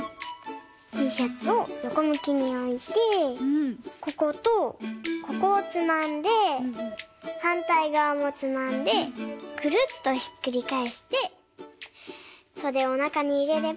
ティーシャツをよこむきにおいてこことここをつまんではんたいがわもつまんでくるっとひっくりかえしてそでをなかにいれればかんせい！